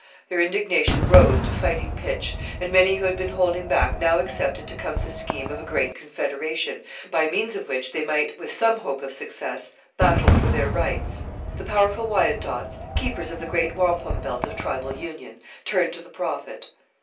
Their indignation rose to fighting pitch, and many who had been holding back now accepted Tecumseh's scheme of a great confederation by means of which they might, with some hope of success, battle for their rights. The powerful Wyandots, keepers of the great wampum belt of tribal union, turned to the Prophet.